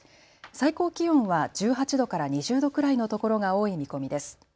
最高気温は１８度から２０度くらいのところが多い見込みです。